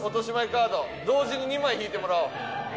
カード同時に２枚引いてもらおう。